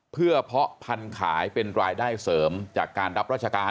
เพื่อเพาะพันธุ์ขายเป็นรายได้เสริมจากการรับราชการ